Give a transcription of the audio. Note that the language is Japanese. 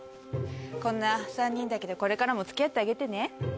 こんな３人だけどこれからも付き合ってあげてね。